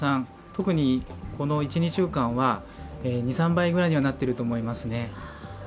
特にこの１２週間は２３倍くらいになっていると思いますね。